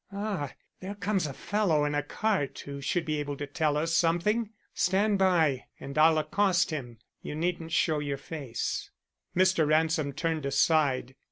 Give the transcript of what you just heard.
Ah, there comes a fellow in a cart who should be able to tell us something! Stand by and I'll accost him. You needn't show your face." Mr. Ransom turned aside.